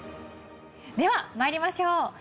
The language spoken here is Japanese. では参りましょう。